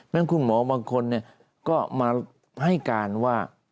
แม้คุณหมอบางคนเนี่ยก็มาให้การว่า